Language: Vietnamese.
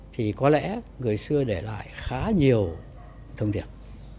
thì có lẽ người xưa để lại khá nhiều thông điệp